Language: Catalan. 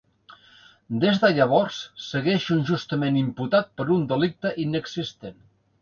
Des de llavors segueixo injustament imputat per un delicte inexistent.